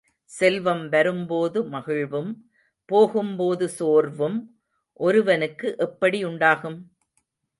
செல்வம் வரும்போது மகிழ்வும், போகும்போது சோர்வும் ஒருவனுக்கு எப்படி உண்டாகும்?